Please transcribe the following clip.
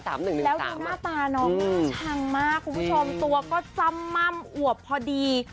แล้วดูหน้าตาน้องน่าชังมากคุณผู้ชมตัวก็จ้ำม่ำอวบพอดี